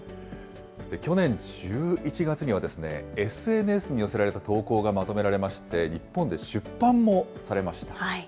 去年１１月には、ＳＮＳに寄せられた投稿がまとめられまして、日本で出版もされました。